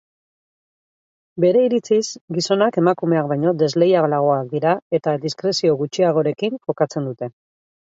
Bere iritziz, gizonak emakumeak baino desleialagoak dira eta diskrezio gutxiagorekin jokatzen dute.